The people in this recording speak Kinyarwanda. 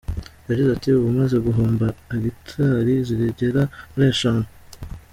Yagize ati«Ubu maze guhomba hegitari zigera muri eshanu .